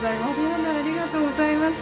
嫌だありがとうございます。